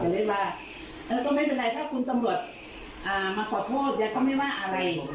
เราก็ไม่เป็นไรถ้าคุณจำรวจมาขอโทษเดี๋ยวเขาไม่ว่าอะไร